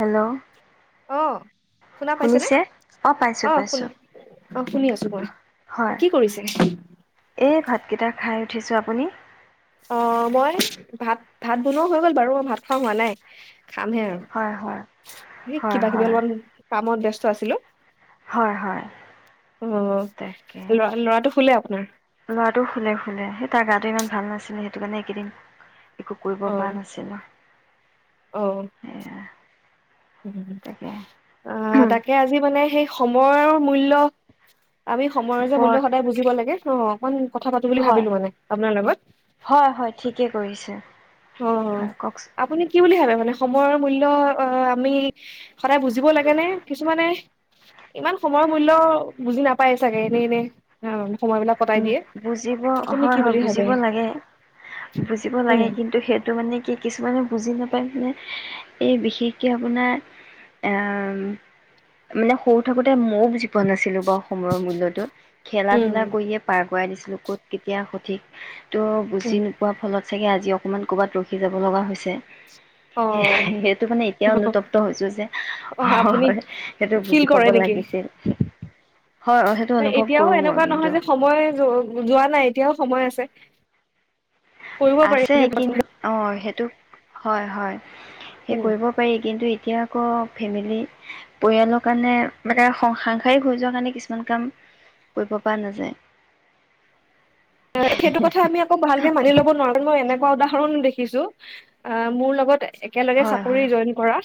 Hello অ'। শুনা পাইছেনে? শুনিছে অঁ পাইছোঁ অ' পাইছোঁ [unintelligible] অ' শুনি আছোঁ কোৱা। হয় কি কৰিছে? এই ভাতকেইটা খাই উঠিছোঁ, আপুনি? অ' মই ভাত-ভাত বনোৱা হৈ গ'ল বাৰু! ভাত খোৱা হোৱা নাই। খামহে আৰু হয় হয় সেই হয় কিবা-কিবি অলপমান কামত ব্যস্ত [unintelligible] আছিলোঁ। হয়-হয় তাকে ল'ৰা শুলে আপোনাৰ ল'ৰাটো শুলে-শুলে। সেই তাৰ গাতো ইমান ভাল নাছিলে সেই টো কাৰণে একেইদিন একো কৰিব অ পৰা নাছিলোঁ। সেয়া তাকে অ', তাকে আজি মানে সেই সময়ৰ মূল্য আমি সময়ৰ যে মূল্য ওপৰত সদায় বুজিব লাগে। অ', কণ কথা পাতো বুলি হয় ভাবিলো মানে আপোনাৰ লগত। হয় হয় ঠিকেই কৰিছে অ', হয় কওকচোন আপুনি কি বুলি ভাবে মানে সময়ৰ মূল্য অ', আমি সদায় বুজিব লাগে নে কিছুমানে ইমান সময়ৰ মূল্যয় বুজি নাপায় চাগে এনে এনে অ উ বুজিব হয় হয় বুলি ভাবে বুজিব লাগে বুজিব লাগে উম কিন্তু সেই মানে কি কিছুমানে বুজি নাপায় মানে এই বিশেষকে আপোনাৰ আহ মানে সৰু থাকোতে মইও বুজি পোৱা নাছিলো পোৱা নাছিলো বাও সময়ৰ মূল্যতো খেলা উম ধূলা কৰিয়ে আগুৱাই দিছিলো ক'ত কেতিয়া সঠিক তো উম গুচি নোপোৱাৰ ফলত চাগে আজি অকণমান ক'ৰবাত ৰখি যাব লগা হৈছে। অ সেইটো মানে এতিয়া অনুতপ্ত হৈছো যে অ আপুনি সেইটো ফিল বুজি পাব কৰে নেকি লাগিছিল হয় সেইটো অনুভৱ এতিয়াও কৰো মই এনেকুৱা কিন্তু। নহয় যে সময় যোৱা নাই এতিয়াও সময় আছে। কৰিব পাৰি আছে যে কিন পচন্দ। অহ সেইটো হয় হয়। সেই উম কৰিব পাৰি কিন্তু এতিয়া অ ফেমিলি পৰিয়ালৰ কাৰণে মানে সং সাংসাৰিক হৈ যোৱা কাৰণে কিছুমান কাম কৰিব পৰা নাযায়। অ সেইটো কথা আমি আকৌ ভালকে মানি ল'ব নোৱাৰো। মই এনেকুৱা উদাহৰণ দেখিছোঁ আহ মোৰ লগত একেলগে হয় চাকৰি হয় জইন কৰা।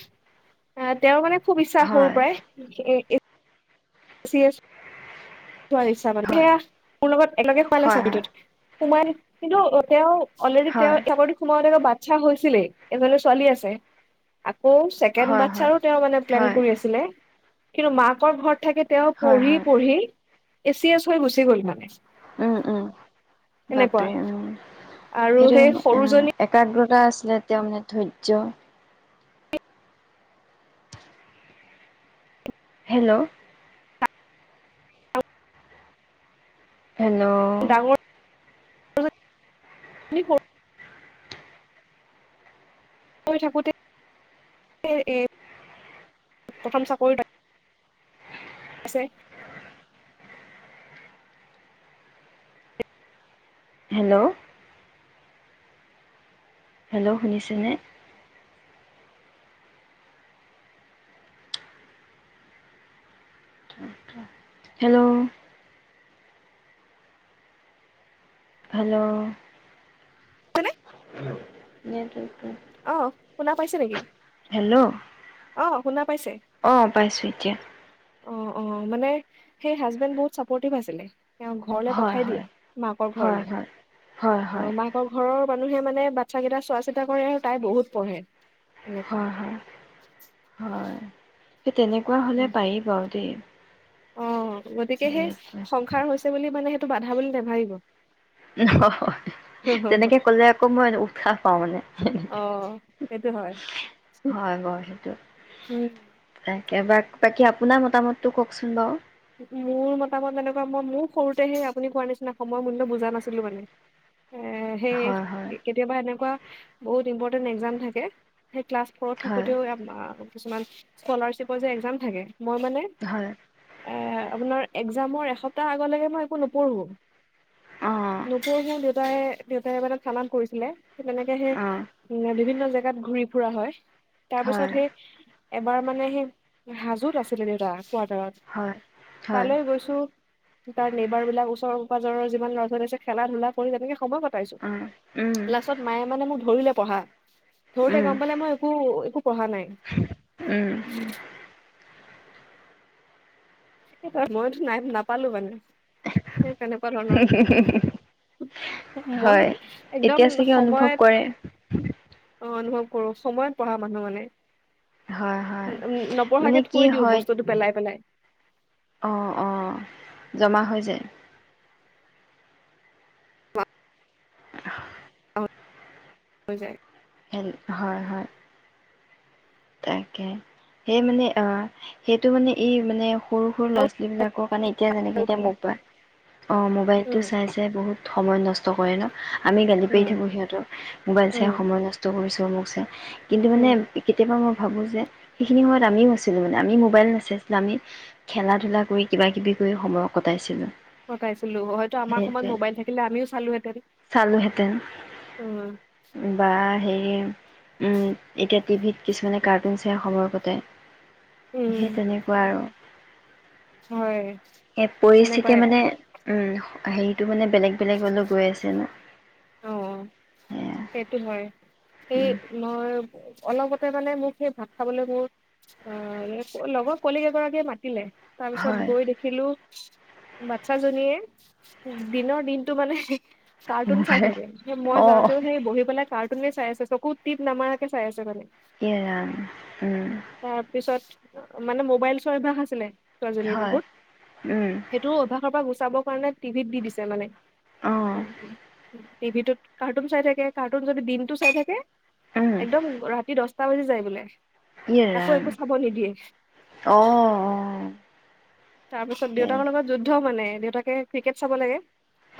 আহ তেওঁ মানে খুব ইচ্ছা সৰুৰ হয় পৰাই। [unintelligible] যোৱাৰ ইচ্ছা মানে হয় সেইয়া মোৰ লগত একেলগে সোমাইছে হয় চকীটোত সোমাই কিন্তু এতিয়াও অলৰেডি তেওঁ হয় খবৰটো সোমাওতে বাট ইচ্ছা হৈছিলে এজনি ছোৱালীও আছে অও ছেকেণ্ড হয় হয় হয় বাচ্ছাৰো তেওঁ মানে প্লেন হয় কৰি আছিলে। কিন্তু মাকৰ ঘৰত থাকে তেওঁ হয় পঢ়ি হয় পঢ়ি এ ছি এছ হৈ গুচি গ'ল মানে। উম উম এনেকুৱা বাপৰে উম আৰু সেইটো সেই সৰুজনী একাগ্ৰতা আছিলে তেওঁমানে ধৈয্য। হেল্ল'। হেল্ল'। [unintelligible] প্ৰথম থাকোঁতে প্ৰথম চাকৰিৰ আছে। হেল্ল'। হেল্ল' শুনিছেনে। হেল্ল'। হেল্ল। [inaudible] অহ শুনা পাইছে নেকি হেল্ল' অহ শুনা পাইছে অঁ পাইছোঁ এতিয়া অ অ মানে সেই হাজবেণ্ বহুত চাপৰ্টিভ আছিলে তেওঁ ঘৰলে হয় পঠাই দিয়ে হয় মাকৰ হয় ঘৰলে হয় হয় আৰু হয় মাকৰ ঘৰৰ মানুহে মানে বাচ্চা কেইটা চোৱা চিতা কৰে আৰু তাই বহুত পঢ়ে তেনেকুৱা হয় হয় হয় সেই তেনেকুৱা হ'লে পাৰি বাৰু দেই অ', সেইটো টো বাধা বুলি নাভাবিব [unintelligible] অ তেনেকে কলে আকৌ মই উৎসাহ পাওঁ মানে আহ সেইটো হয় হয় বাৰু সেইটো উ [unintelligible] বাকী আপোনাৰ মতামতটো কওকচোন বাৰু মোৰ মতামত এনেকুৱা মই মোৰ সৰুতে সেই আপুনি কোৱাৰ নিচিনা সময় মূল্য বুজা নাছিলো মানে এ সেই হয় হয় কেতিয়াবা এনেকুৱা বহুত ইম্পৰ্টেণ্ট এক্সাম থাকে সেই ক্লাছ ফৰত হয় থাকোতেও কিছুমান স্কলাৰশ্বিপৰ যে এক্জাম থাকে মই মানে হয় আপোনাৰ এক্সামৰ এসপ্তাহ আগলেকে মই একো নপঢ়ো অঁ নপঢ়োঁ দেউতাই দেউতাইবাৰে চালান কৰিছিলে তেনেকে সে অঁ উ বিভিন্ন জেগাত ঘূৰি ফুৰা হয় তাৰপিছত হয় সেই এবাৰ মানে সেই হাজোত আছিলে দেউতা কোৱাটাৰত হয় হয় তালৈ গৈছোঁ তাৰ নেবাৰ বিলাক ওচৰ পাজৰ যিমান লৰাোৱালীছে খেলা ধূলা কৰি তেনেকে সময় উম কটাইছোঁ লস্তত মায়ে মানে মোক ধৰিলে পঢ়া থৰতে উম উম গম পালে মই একো একো পঢ়া নাই [inaudible] উম মইতো নাই নাপালো মানে সেই তেনেকুৱা ধৰণৰ মই হয় একদম এতিয়া চাগে অনুভৱ কৰে সময়ত অনুভৱ [inaudible] সময়ত পঢ়া মানুহ মানে হয় হয় মানে নপঢ়াকে থৈ দিও বস্তুটো পেলাই-পেলাই অ অ জমা হৈ যায় [inaudible] হৈ যায় হয় হয় তাকে সেই মানে আহ সেইটো মানে এই মানে সৰু সৰু ল'ৰা ছোৱালী বিলাকৰ কাৰণে এতিয়া যেনেকে এতিয়া মোবাইল অ মোবাইলটো উম চাই চাই বহুত সময় নষ্ট কৰে ন আমি গালি পাৰি উম থাকো সিহঁতক মোবাইল চাই উম সময় নষ্ট কৰিছো [unintelligible] কিন্তু মানে উম মই ভাবোঁ যে সেইখিনি সময়ত আমিও আছিলোঁ মানে আমি মোবাইল নাচাইছিলোঁ আমি খেলা ধূলা কৰি কিবা কিবি কৰি সময় কটাইছিলোঁ সকাইছিলো হয়তো আমাৰ সময়ত সেইটোৱে মোবাইল থাকিলে আমিও চালো হেতেন চালোহেঁতেন উ বা [inaudible] এতিয়া টিভিত কিছুমানে কাৰ্টুন চাই সময় কটায় সেই উম তেনেকুৱা আৰু হয় এ পৰিস্থিতি তেনেকুৱাই মানে উম হেৰিটো মানে বেলেগ বেলেগ অলে গৈ আছে ন অ সেয়া সেইটো হয় এই উম, মই অলপতে মানে মোক সেই ভাত খাবলৈ মোৰ অ লগৰ কলিক এগৰাকীয়ে মাতিলে তাৰ পিছত হয় গৈ দেখিলো বাচ্ছাজনীয়ে দিনৰ দিনটো মানে কাৰ্টুন চাই মোবাইল থাকে মই যাওঁতেও সেই বহি পেলাই কাৰ্টুন চাই আছে চকুত টিপ নামাৰাকে চাই আছে মানে এ ৰাম উম তাৰ পিছত মানে মোবাইল চোৱাৰ অভ্যাস আছিলে ছোৱীজনীৰ বহুত সেইটো অভ্যাসৰ পৰা গুচাব [inaudible] টিভিত দি দিছে মানে [inaudible] টিভিটোত কাৰ্টুন চাই থাকে কাৰ্টুন যদি দিনটো চাই থাকে একদম ৰাতি দহ তা বাজি যায় বোলে। তাকো একো চাব ইয়েৰাম নিদিয়ে অহ, অহ। তাৰপিছত দেউতাকৰ লগত যুদ্ধ মানে। দেউতাকে ক্ৰিকেট চাব লাগে।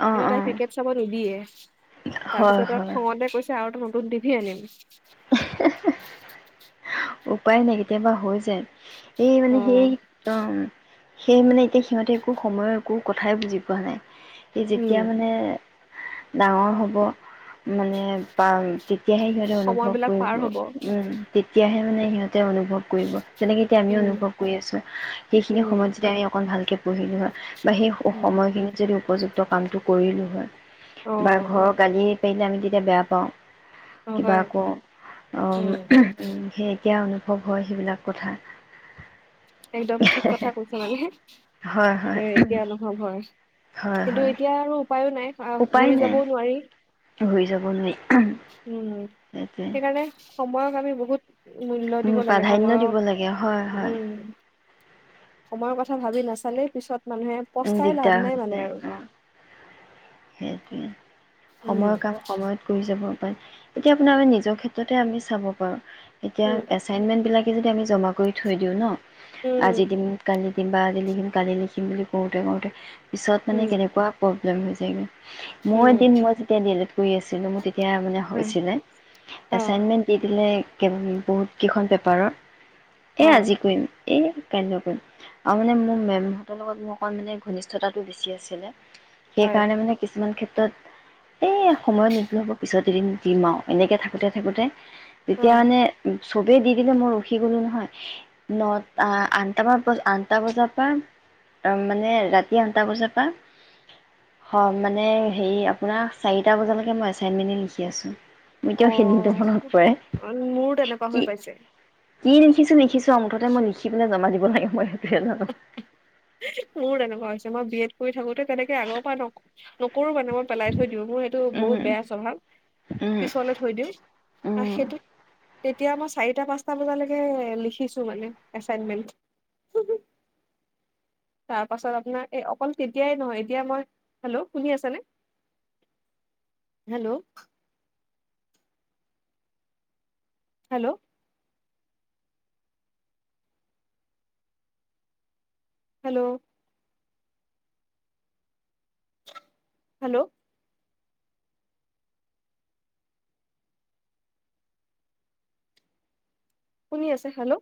অঁ তাই অঁ ক্ৰিকেট চাবত নিবিয়ে তাৰ হয় পিছত আৰু হয় খঙতে কৈছে আৰু এটা তত দিধিয়ে আনিম। উপায় নাই কেতিয়াবা হৈ যায়। সেই মানে সেই একদম সেয়ে মানে এতিয়া সিহঁতে একো সময়ৰ একো কথাই বুজি পোৱা নাই। সে যেতিয়া উম, মানে ডাঙৰ হ'ব মানে পাম তে তেতিয়াহে সিঁহতে অনুভৱ সময়বিলাক পাৰ উম, হ'ব। তে তেতিয়াহে মানে সিহঁতে অনুভৱ কৰিব। যেনেকে এতিয়া আমি উম, অনুভৱ কৰি আছো সেইখিনি উম, সময়ত যদি আমি অকণ ভালকে বহি যোৱা। বা সেই উম, সময়খিনিত যদি উপযুক্ত কামটো কৰিলোঁ হয় বা অ', ঘৰৰ গালি পি আমি তেতিয়া বেয়া পাওঁ। অ', কিবা হয়, আকৌ অ', উম, উম, সেই এতিয়া অনুভৱ হয় সেইবিলাক কথা। একদম ঠিক কথা কৈছ মানে হে হয় হয় এ, এতিয়া অনুভৱ হয়। হয় কিন্তু হয় এতিয়া আৰু উপায়ো নাই। আহ, ঘূৰি যাবও নোৱাৰি। হৈ যাব নোৱাৰি। উম। সেইটোৱে সেইকাৰণে সময়ক আমি বহুত মূল্য দিব উম লাগে প্ৰাধান্য সময়ৰ, দিব লাগে হয় হয় উম। সময়ৰ কথা ভাবি নাচালে পিছত মানুহে উম, পস্তাই লাভ দিগদাৰ নাই মানে হৈছে আৰু অ', সেইটোৱে উম, সময়ৰ কাম সময়ত কৰি যাব এতিয়া আপোনাৰ আমি নিজৰ ক্ষেত্ৰতে আমি চাব পাৰোঁ। এতিয়া উম, এচাইনমেন্ট বিলাক কি যদি আমি জমা কৰি থৈ দিওঁ ন'। উম, আজি দিম কালি কিবা আজি লিখিম, কালি লিখিম বুলি কোৰোঁতে কোৰোঁতে পিছত মানে উম, কেনেকুৱা ক য হৈ যায়গৈ। মই উম, এদিন মই যেতিয়া ডি এল এড কৰি আছিলো মোৰ তেতিয়া মানে হয়, হৈছিলে অ', এছাইনমেন্ট দি দিলে [unintelligible] বহুতকেইখন পেপাৰৰ এ, অ', আজি কৰিম এই কাইলৈ কৰিম। আৰু মানে মোৰ মেমহঁতৰ লগত মোক অকণমান মানে ঘনিষ্ঠতাটো বেছি আছিলে হয়, সেইকাৰণে মানে কিছুমান ক্ষেত্ৰ ত', এই সময়ত নিদিলেও হ'ব। পিছত এদিন দিম আৰু এনেকে থাকোঁতে, থাকোঁতে তেতিয়া অ'। মানে চবেই দি দিলে। মই ৰখি গ'লো নহয়। নট, আ, আঠটামান বজা, আঠটা বজাৰ পৰা মানে ৰাতি আঠটা বজাৰ পৰা, অ', মানে, হেৰি, আপোনাৰ চাৰিটা বজালৈকে মই এছাইনমেণ্টে লিখি আছোঁ। মোৰ এতিয়াও সেই মুহূৰ্ত অ' মনত পৰে। মোৰ তেনেকুৱা কি হৈ পাইছে কি লিখিছোঁ, লিখিছোঁ ছোঁ, আৰু মুঠতে মই লিখি পেলাই জমা দিম। বনাই [unintelligible] মোৰো তেনেকুৱা হৈছে। মই বিএড কৰি থাকোঁতে তেনেকে আগৰ পৰা নক, নক কৰোঁ মানে মই পেলাই থৈ দিওঁ। মোৰ সেইটো বহুত উম বেয়া স্বভাৱ। উম পিছলৈ থৈ দিওঁ। আ, উম সেইটো তেতিয়া মই চাৰিটা-পাঁচটা বজালৈকে লিখিছোঁ, মানে, এছাইনমেণ্ট তাৰ পাছত আপোনাৰ এই অকল তেতিয়াই নহয়। এতিয়া মই হেল্ল', শুনি আছানে? হেল্ল'। হেল্ল'। হেল্ল'। হেল্ল'। শুনি আছে হেল্ল'।